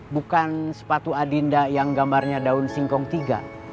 bukan sepatu adinda yang gambarnya daun singkong tiga